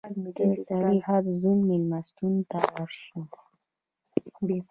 د سرحدي زون مېلمستون ته ورشئ.